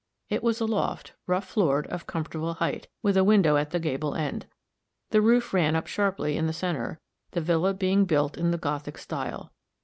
It was a loft, rough floored, of comfortable hight, with a window at the gable end. The roof ran up sharply in the center, the villa being built in the Gothic style.